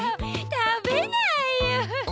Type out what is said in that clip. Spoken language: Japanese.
たべないよ。